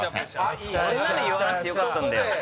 そんなの言わなくてよかったんだよ。